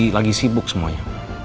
lagi sibuk semuanya